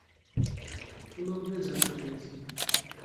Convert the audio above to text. কুলগ্নে যাত্রা করিয়াছিলাম।